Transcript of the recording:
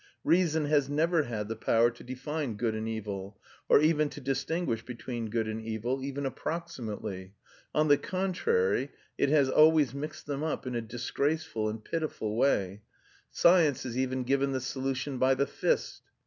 Reason has never had the power to define good and evil, or even to distinguish between good and evil, even approximately; on the contrary, it has always mixed them up in a disgraceful and pitiful way; science has even given the solution by the fist.